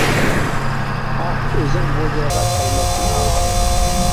ئاھ، ئۆزۈڭ بۇ جايغا، كەلمەستىن ئاخىر؟ !